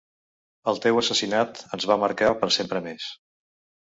El teu assassinat ens va marcar per sempre més.